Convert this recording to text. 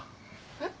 えっ？